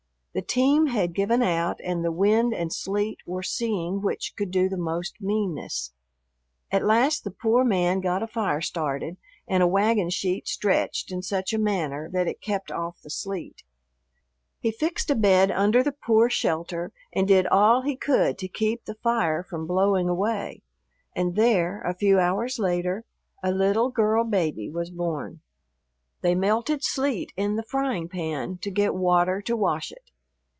The team had given out and the wind and sleet were seeing which could do the most meanness. At last the poor man got a fire started and a wagon sheet stretched in such a manner that it kept off the sleet. He fixed a bed under the poor shelter and did all he could to keep the fire from blowing away, and there, a few hours later, a little girl baby was born. They melted sleet in the frying pan to get water to wash it.